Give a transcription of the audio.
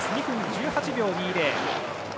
２分１８秒２０。